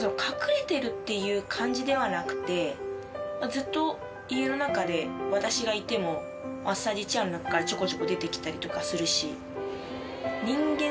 ずっと家の中で私がいてもマッサージチェアの中からちょこちょこ出てきたりとかするし。